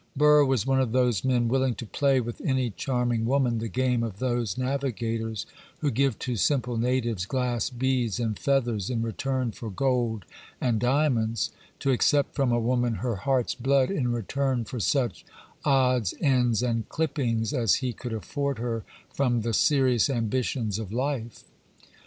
Burr was one of those men, willing to play with any charming woman the game of those navigators who give to simple natives glass beads and feathers in return for gold and diamonds; to accept from a woman her heart's blood in return for such odds, ends, and clippings as he could afford her from the serious ambitions of life.